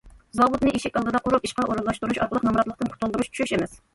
زاۋۇتنى ئىشىك ئالدىدا قۇرۇپ، ئىشقا ئورۇنلاشتۇرۇش ئارقىلىق نامراتلىقتىن قۇتۇلدۇرۇش چۈش ئەمەس.